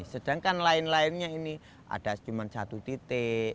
sedangkan lain lainnya ini ada cuma satu titik